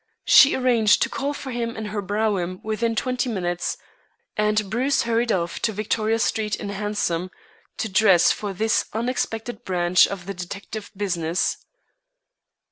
She arranged to call for him in her brougham within twenty minutes, and Bruce hurried off to Victoria Street in a hansom to dress for this unexpected branch of the detective business.